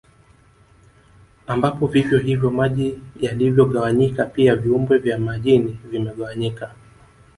Ambapo vivyo hivyo maji yalivyogawanyika pia viumbe vya majini vimegawanyika